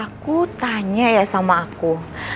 aku tanya ya sama aku